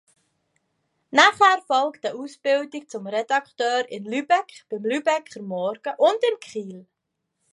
Danach folgte eine Ausbildung zum Redakteur in Lübeck beim Lübecker Morgen und in Kiel.